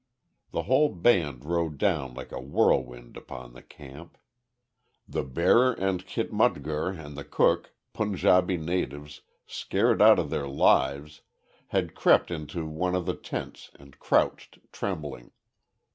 The whole band rode down like a whirlwind upon the camp. The bearer and khitmutghar, and the cook, Punjabi natives, scared out of their lives, had crept into one of the tents and crouched trembling.